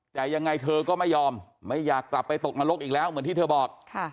แต่ยังไงเธอก็ไม่ยอมไม่อยากกลับไปตกนรกอีกแล้วเหมือนที่เธอบอก